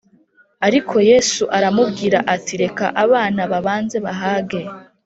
Ariko Yesu aramubwira ati reka abana babanze bahage